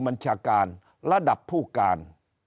บัญชาการระดับผู้การ